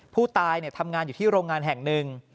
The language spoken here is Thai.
ผู้ตายทำงานอยู่ที่โรงงานแห่งหนึ่ง